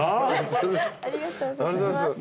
ありがとうございます。